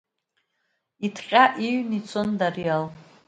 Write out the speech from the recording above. Иҭҟьа иҩны ицон Дариал.